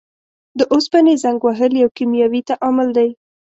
د اوسپنې زنګ وهل یو کیمیاوي تعامل دی.